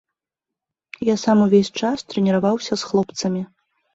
Я сам увесь час трэніраваўся з хлопцамі.